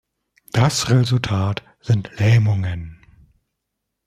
Das Resultat sind Lähmungen.